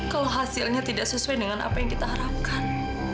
kalau hasilnya tidak sesuai dengan apa yang kita harapkan